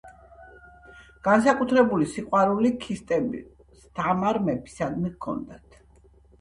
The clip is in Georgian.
განსაკუთრებული სიყვარული ქისტებს თამარ მეფისადმი ჰქონდათ.